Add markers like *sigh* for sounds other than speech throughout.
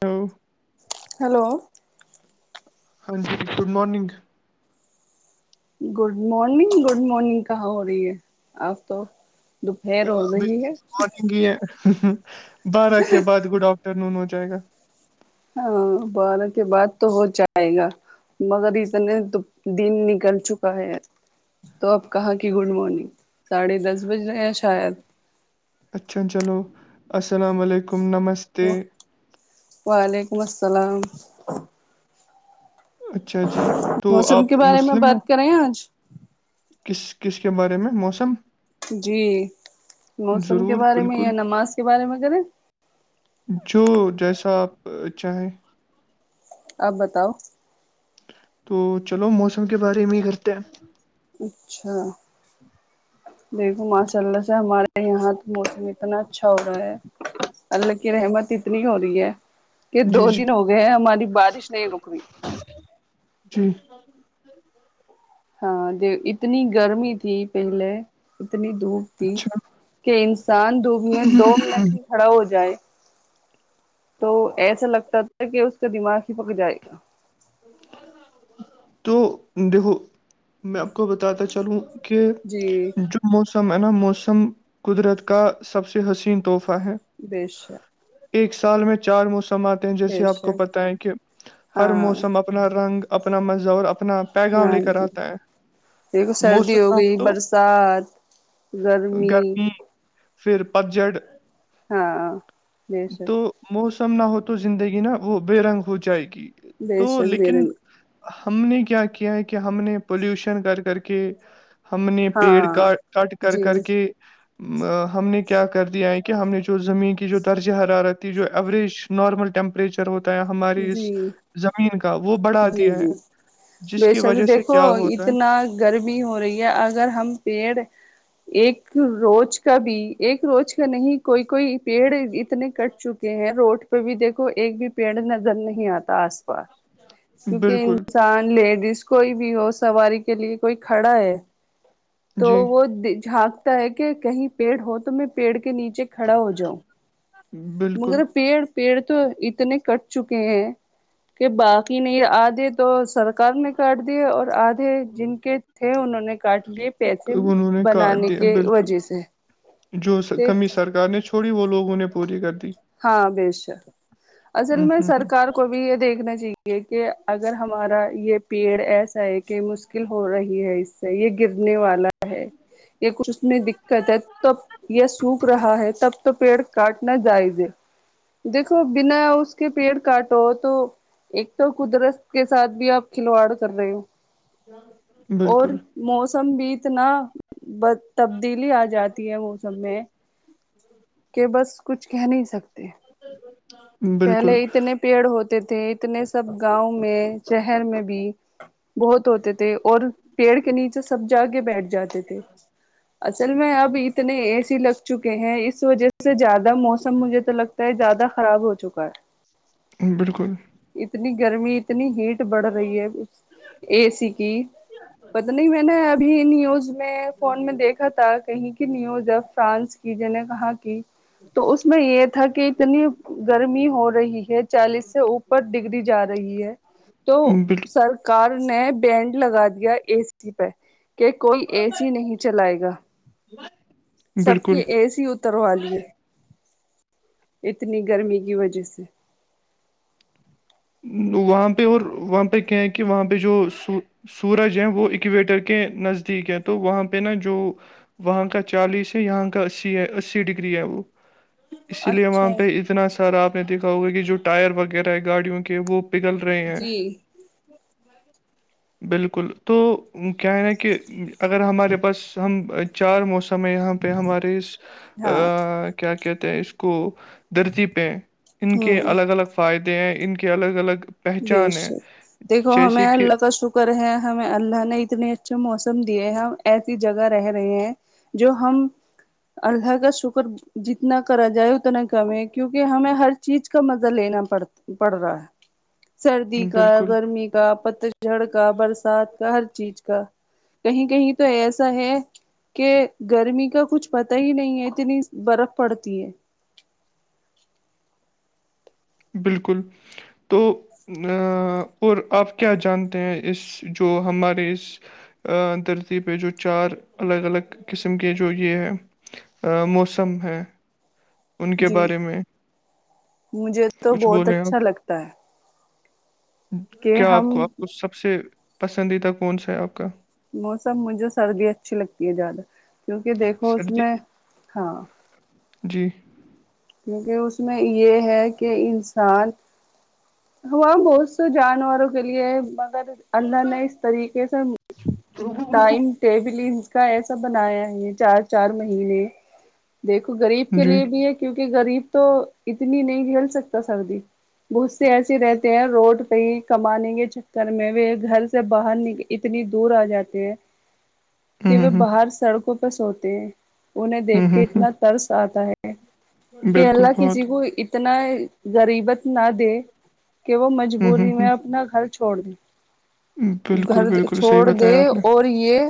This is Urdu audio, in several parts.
ہ *unintelligible* ہیلو *unintelligible* *unintelligible* ہاں جی good morning *unintelligible* good morning good morning کہاں ہو رہی ہے آپ تو دوپہر ہو رہی ہے مارنگ یہ بارہ کے بعد گڈ آفٹر نون ہو جائے گا ہاں بارہ کے بعد تو ہو جائے گا مگر اتنے تو دن نکل چکا ہے تو اپ کہاں کہ گڈ مارننگ ساڑھے دس بج رہے شاید اچھا چلو السلام علیکم نمس وعلیکم السلام اچھا جی تو آپ موسم کے بارے میں مسلم ہیں بات کریں آج کس کس کے بارے میں موسم جی موسم کے ضرور بارے میں بالکل یا نماز کے بارے میں کریں جو جیسا آپ چاہیں آپ بتاؤ تو چلو موسم کے بارے میں ہی کرتا ہیں اچھا دیکھو ماشاء اللہ سے ہمارے یہاں موسم اتنا اچھا ہو رہا ہے اللہ کی رحمت اتنی ہو رہی ہے کہ جی دو جی دن ہو گئے ہیں ہماری بارش نہیں رک رہئی جی ہاں اتنی گرمی تھی پہلے اتنی دھوپ تھی اچھا کہ انسان دھوپ میں دو منٹ ہی کھڑا ہو جائے تو ایسا لگتا تھا کہ اس کا دماغ ہی پک جائے گا تو دیکھو میں آپ کو بتاتا چلوں کہ جی جو موسم ہے نا موسم قدرت کا سب سے حسین تحفہ ہے بیشک ایک سال میں چار موسم آتے ہیں جیسے بے آپ کو شک پتا ہے کہ ہر ہاں موسم اپنا رنگ اپنا مزہ اور اپنا پیغام ہاں لے کر جی آتا ہے دیکھو سردی موسم ہو نہ گئی تو برسات گرمی پھر پتجڑ ہاں بے شک موسم نہ ہو تو زندگی نا وہ بے رنگ ہو جائے گی بے تو شک لیکن میرے ہم نے کیا کیا ہے کہ ہم نے پولوشن کر کر کے ہم نے پیڑ ہاں کا کٹ کر کر جی کے ہم نے کیا کر دیا ہے کہ ہم نے جو زمین کی جو درجہ حرارت تھی جو ایوریج نارمل ٹیمپریچر ہوتا ہے ہماری اس جی زمین کا وہ بڑھا جی دیا ہے جی جس کی بےشک وجہ سے دیکھو کیا ہوتا اتنا گرمی ہو رہی ہے اگر ہم پیڑ ایک روز کا بھی ایک روز کا نہیں کوئی کوئی پیڑ اتنے کٹ چکے ہیں روڈ پہ بھی دیکھو ایک بھی پیڑ نظر نہیں آتا آس پاس ہے کیونکہ بالکل انسان لیڈیز کوئی بھی ہو سواری کے لیے کوئی کھڑا ہے تو جی وہ جھانکتا ہے کہ کہیں پیڑ ہو تو میں پیڑ کے نیچے کھڑا ہو جاؤ بالکل مگر پیڑ پیڑ تو اتنے کٹ چکے ہیں کہ باقی نہیں آدھے تو سرکار نے کاٹ دیے اور آدھے جن کے تھے انہوں نے کاٹ لیے پیسے انہوں نے کاٹ بنانے دیا کی بالکل وجہ سے جو کمی سرار نے چھوڑی وہ لوگ انہیں پوری کر دی ہاں بیش اصل ہوں میں ہوں ہوں سرکار کو بھی یہ دیکھنا چاہیے کہ اگر ہمارا یہ پیڑ ایسا ہے کہ مک مکل ہو رہی ہے اس سے یہ گرنے والا ہے کچ اس میں دقت ہے تب یہ سوکھ رہا ہے تب تو پیڑ کاٹ نہ جائزے دیکھو بنا اس کے پیڑ کاٹو تو ایک تو قدرت کے ساتھ بھی آپ کھلواڑ کر رہے ہو اور بالکل موسم بھی اتنا تبدیلی آ جاتی ہے موسم میں کہ بس کچھ کہہ نہیں سکتے *inaudible* پہلے اتنے پیڑ ہوتے تھے اتنے سب گاؤں میں شہر میں بھی بہت ہوتے تھے اور پیڑ کے نیچے سب جا کے بیٹھ جاتے تھے اصل میں اب اتنے اے سی لگ چکے ہیں اس وجہ سے زیادہ موسم مجھے تو لگتا ہے زیادہ خراب ہو چکا ہے بالکل اتنی گرمی اتنی ہیٹ بڑھ رہی ہے اے سی کی پتہ نہیں میں نے ابھی نیوز میں فون میں دیکھ تھا کہیں کی نیو ج ا فرانس کی ج نے کہاں کی تو اس میں یہ تھا کہ اتنی گرمی رہی ہے چالیس سے اوپر ڈگری جا رہی ہے تو بال- سرکار نے بینڈ لگا دیا اے سی پہ کہ کوئی اے سی نہیں چلائے گا سب بالکل کے اے سی ا اتروا لیے اتنی گرمی کی وجہ سے سے وہاں پہ اور وہاں پہ کیا کہ وہاں پہ جو سو سورج ہیں وہ اکویٹر کے نزدیک ہیں تو وہاں پہ نا جو وہاں کا چالیس ہے یہاں کا اسی ہے اسی ڈگری ہے وہ اس لیے وہاں اچھا پہ اتنا سارا آپ نے دیکھا ہوگا کہ جو ٹائر وغیرہ ہے گاڑیوں کے وہ پگل رہے ہیں *inaudible* بالکل تو کیا ہے ن کہ اگر ہمارے پاس چارو ہمیں یہاں پہ ہمارے اس ہاں کیا کہتے ہیں اس کو دھرتی پہ ان کے ہوں الگ الگ فائدے ہیں ان کے کے الگ الگ پہچان بیش ہے دیکھو جیسے ہمیں کہ لکش کر ہے ہمیں اللہ نے اتنے اچھے موسم دیے ہیں ہم ایسی جگہ رہ رہے ہیں جو ہم اللہ کا شکر جتنا کرا جائے اتنا کم ہے کیونکہ ہمیں ہر چیز کا مزہ لینا پڑتا بڑھ رہا ہے سردی کا بالکل گرمی کا پتجھڑ کا برسات کا ہر چیز کا کہیں کہیں تو ایسا ہے کہ گرمی کا کچھ پت ہی نہیں ہے اتنی برف پڑتی ہے بالکل تو ا اور آپ کیا جانتے ہیں اس جو ہمارے اس درتی پہ جو چار الگ الگ قسم کے جو یہ ہے ا موسم ہے ان کے جی بارے میں مجھے تو کچھ بہت بولیں آپ اچھا لگتا ہے کہ کیا آپ کو ہم آپ کو سب سے پسندیدہ کون سا ہے آپ کا موسم مجھے سردی اچھی لگتی ہے زیادہ کیونکہ دیکھو اس سردی میں ہاں جی کیونکہ اس میں یہ ہے کہ انسان ہاں بہت سے جانوروں کے لیے ہے مگر اللہ نے اس طریقے سے ٹائم ٹیبل ان کا ایسا بنایا ہے چار چار مہینے دیکھو غریب کے جی لیے بھی ہے کیونکہ غریب تو اتنی نہیں جھیل سکتا سردی ب سے ایسے رہتے ہیں روڈ پہ ہی کمانے کے چکر میں و گھر سے باہر نکل اتنی دور آ جاتے ہیں کہ ہوں ہوں وہ ہوں باہر سڑکوں پہ سوتے ہیں انہیں ہوں دیکھ کے ہوں اتنا ترس آتا ہے ہوں کہ بالکل اللہ کسی بہت کو ا اتنا غریبت نہ دے کہ وہ ہوں مجبوری ہوں میں اپنا خرچ چھوڑ د ہوں بالکل گھر بالکل صحیح چھوڑ د بتایا آپ نے اور یہ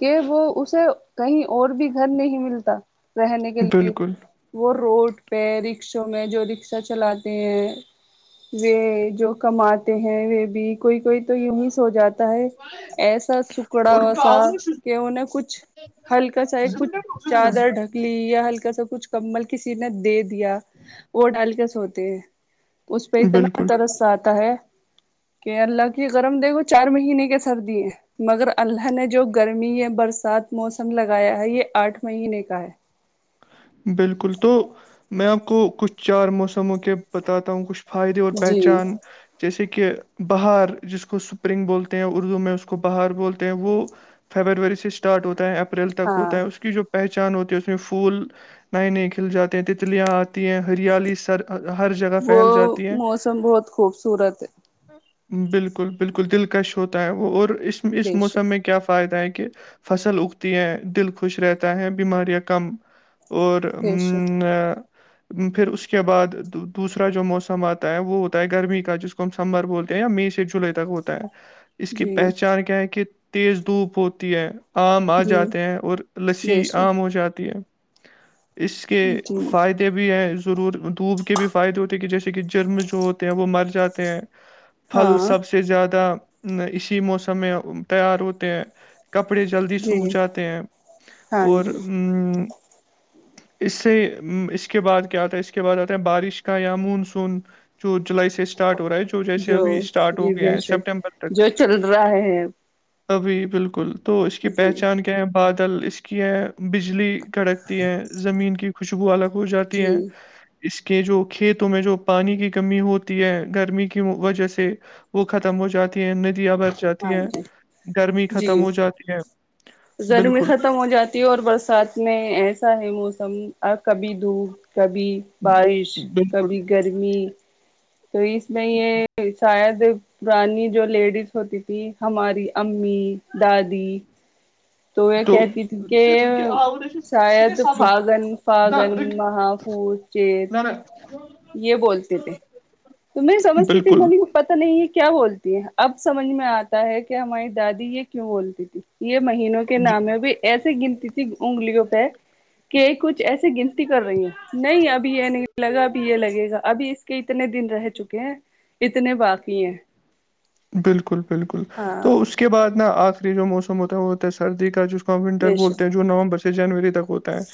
کہ وہ اسے کہیں اور بھی گھر نہیں ملتا رہنے کے لیے بالکل وہ روڈ پہ رکشوں میں جو رکشا چلاتے ہیں و جو کماتے ہیں وہ بھی کوئی کوئی تو ی ہی سو جاتا ہے ایسا س بڑا وا سا کہ ان نے کچھ ہلکا سا ایک کچھ چادر ڈک لی یا ہلکا سا کچھ کممل کسی نے دے دیا وہ ڈال کے سوتے ہیں اس پہ اتنا بالکل ترس آتا ہے کہ اللہ کی گرم دیکھو چار مہینے کے سردی ہے مگر اللہ نے جو گرمی یا برسات موسم لگایا ہے یہ آٹھ مہینے کا ہے بالکل تو میں آپ کو کچھ چار موسموں کے بتاتا ہوں کچھ فائدے اور جی پہچان جیسے کہ بہار جس کو سپرنگ بولتے ہیں اردو میں اس کو بہار بولتے ہیں وہ فیبروری سے اسٹارٹ ہوتا ہے ای اپریل تک ہاں ہوتا ہے اس کی جو پہچان ہوتی ہے اس میں پھول نئے نئے کھل جاتے ہیں تتلیات ہیں ہریالی ہر جگہ وہ پھیل جاتی ہیں موسم بہت خوبصورت ہے بالکل بالکل دلکش ہوتا ہے وہ اور اس اس بیش موسم میں کیا فائدہ ہے کہ فصل اگتی ہے دل خوش رہتا ہے بیماریاں کم اور بیش ہ پھر اس کے بعد دوسرا جو موسم آتا ہے وہ ہوتا ہے گرمی کا جس کو ہم سے دتمبر بولتے ہیں یا مئی سے جولائی تک ہوتا ہے اس کی جی پہچان کیا ہے کہ تیز دھوپ ہوتی ہے آم آ جی جاتے ہیں اور بے لسی شک آم ہو جاتی ہے اس کے جی فائدے بھی ہیں ضرور دھوپ کے بھی فائدے ہوتے ہیں کہ جیسے کہ جرم جو ہوتے ہیں وہ مر جاتے ہیں *inaudible* پھل سب سے زیادہ اسی موسم میں تیار ہوتے ہیں کپڑے جلدی سوکھ جی جاتے ہیں ہاں اور جی اس سے اس کے بعد کیا آتا ہے اس کے بعد آتا ہے بارش کا یا مونسون چود جولائی س سے اسٹارٹ ووراج جیس جو ابھی اسٹارٹ ہو جی گیا بے ہیں شک سپٹمبر تک جو چل رہا ہے ابھی بالکل تو اس کی جی پہچان کیا ہے بادل اس کی ہے بجلی کڑکتی ہیں زمین کی خوشبو الگ ہو جاتی جی ہے اس کے جو کھیتوں میں جو پانی کی کمی ہوتی ہے گرمی کی وجہ سے وہ ختم ہو جاتی ہے ندیا اب جاتی ہاں ہیں جی گرمی ختم جی ہو جاتی ہے گرمی بالکل ختم ہو جاتی اور برسات میں ایسا ہے موسم کبھی دھوپ کبھی بارش بالکل کبھی گرمی تو اس میں یہ شاید پرانی جو لیڈیز ہوتی تھی ہماری امی دادی یہ تو کہتی تھی کہ رکے آور س شاید صبر فاگن نہ فاگن رک محافوظ چیت زرا یہ بولتے تھے تو سمجھتی تھی ب بالکل پتا نہیں ہے کیا بولتی ہے اب سمجھ میں آتا ہے کہ ہماری دادی یہ کیوں بولتی تھی یہ مہینوں سے کے جی نام میں بھی ایسی گنتی تھی انگلیوں پہ کہ کچھ ایسے گنتی کر رہی ہ نہیں ابھی یہ نہیں لگا ابھی یہ لگے گا ابھی اس کہ اتنے دن رہ چکے ہیں اتنے باقی ہیں بالکل بالکل ہاں تو اس کے بعد نا آخری جو موسم ہوتا ہے وہ ہوتا ہے سردی کا جو ونٹر بے بولتے ہیں شک جو نومبر سے جنوری تک ہوتا ہے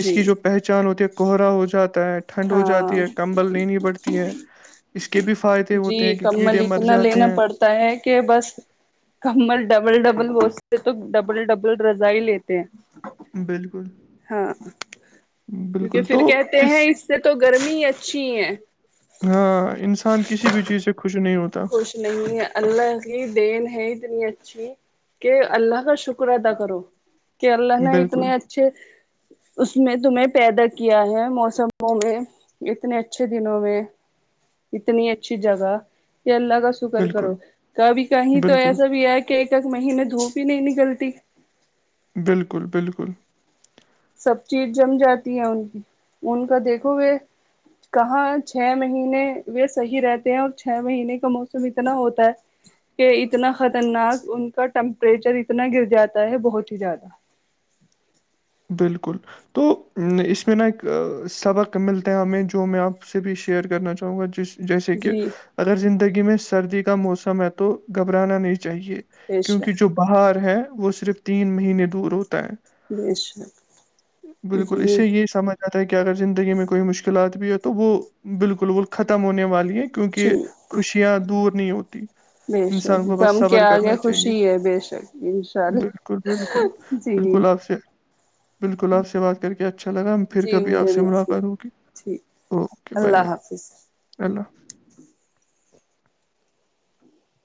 اس جی کی جو پہچ پچان ہوتی ہے کوہرا ہو جاتا ہے ٹھنڈ ہو ہاں جاتی ہے کمبل لینی پڑتی ہے اس کے بھی فائدے ہوتے ہیں کہ کیڑے مر جاتے ہیں تا ہے کہ بس کمل ڈبل ڈبل بتے تو ڈبل ڈبل رضا ہی لیتے ہیں بالکل ہاں کیونکہ بالکل تو پھر کہتے ہیں اس سے تو گرمی ہی اچھی ہے ہاں انسان کسی بھی چیز سے خوش نہیں ہوتا خوش نہیں اللہ کی دین ہے اتنی اچھی کہ اللہ کا شکر ادا کرو کہ اللہ نے بالکل اتنے اچھے اس میں تمہیں پیدا کیا ہے موسموں میں اتنے اچھے دنوں میں اتنی اچھی جگہ کہ اللہ کا شکر بالکل، کرو کبھی کہیں تو بالکل، ایسا بھی ہے کہ کہ ایک ایک مہینے دھوپ ہی نہیں نکلتی بالکل بالکل سب چیز جم جاتی ہے ان کی ان کا دیکھو گے کہاں چھ مہینے یہ صحیح رہتے ہیں اور چھ مہینے کا موسم اتنا ہوتا ہے کہ اتنا خطرناک ان کا ٹمپریچر اتنا گر جاتا ہے بہت ہی زیادہ بالکل تو اس میں نا ایک سبق ملتے ہیں ہمیں جو میں آپ سے بھی شیئر کرنا چاہوں گا جس جیسے کہ جی اگر زندگی میں سردی کا موسم ہے تو گھبرانا نہیں چاہیے بے کیونکہ شک جو بہار ہے وہ صرف تین مہینے دور ہوتا ہے جیش بالکل اسے یہ سمجھ ج ہے کہ اگر زندگی میں کوئی مشکلات بھی ہے تو وہ بالکل ب ختم ہونے والی ہے کیونکہ ٹھیک خوشیاں دور نہیں ہوتی بے انسان شک کو بس غم کے صبر آگے کرنا چاہیے خوشی ہے بے شک انشاء اللہ بالکل بالکل جی بالکل آپ سے بالکل آپ سے بات کر کے اچھا لگا پھر جی کبھی آپ مجھے سے بھی اچھا ملاقات ہوگی ٹھیک اوکے بائے اللہ بائے حافظ اللہ